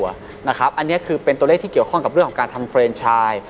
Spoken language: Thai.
ซึ่งเลข๖และ๘นี้คือเป็นตัวเลขที่เกี่ยวข้องการทำเฟรนชาย